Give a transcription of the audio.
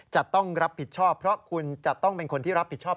จะต้องรับผิดชอบเพราะคุณจะต้องเป็นคนที่รับผิดชอบ